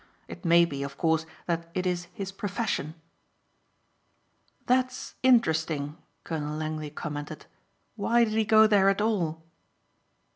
It may be, of course, that it is his profession." "That's interesting," Colonel Langley commented, "Why did he go there at all?"